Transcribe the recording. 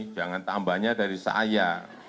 jangan tambahnya dari saya